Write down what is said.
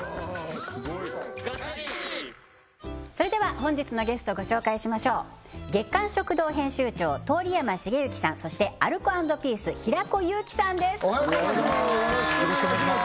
本日のゲストご紹介しましょう「月刊食堂」編集長通山茂之さんそしてアルコ＆ピース平子祐希さんですおはようございますよろしくお願いします